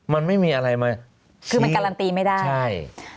มันไม่มีอะไรมาชี้คือมันการันตีไม่ได้